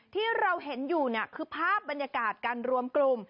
ที่เราเห็นอยู่คือภาพบรรยากาศการรวมกลุ่ม